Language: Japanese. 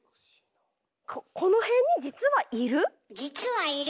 この辺に実はいる？